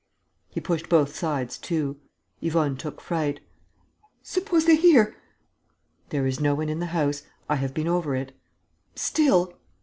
He pushed both sides to. Yvonne took fright: "Suppose they hear!" "There is no one in the house. I have been over it." "Still